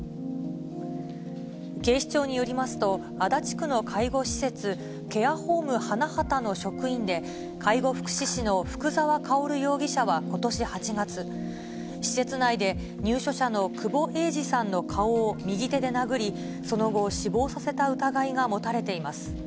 警視庁によりますと、足立区の介護施設、ケアホーム花畑の職員で、介護福祉士の福沢薫容疑者はことし８月、施設内で入所者の久保栄治さんの顔を右手で殴り、その後、死亡させた疑いが持たれています。